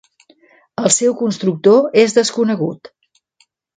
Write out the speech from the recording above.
El seu constructor és desconegut.